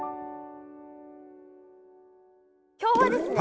今日はですね